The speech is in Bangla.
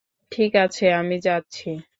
ঠিক আছে, আমি যাচ্ছি।